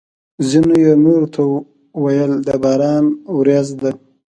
ځینو یې نورو ته ویل: د باران ورېځ ده!